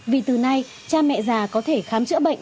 vì từ nay cha mẹ già có thể khám chữa bệnh